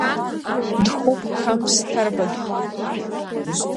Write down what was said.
Дхәуп Қамс Ҭарбагьы.